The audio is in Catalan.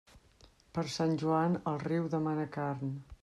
Per Sant Joan, el riu demana carn.